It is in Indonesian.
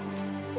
udah siap semua